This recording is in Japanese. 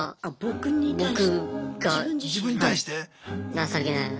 情けないな。